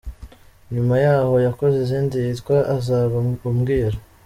Nyuma yaho yakoze indi yitwa ‘Uzaba Umbwira’.